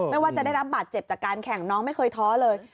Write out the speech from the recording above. ไม่ว่าจะได้รับบาดเจ็บจากการแข่งน้องไม่เคยท้อเลย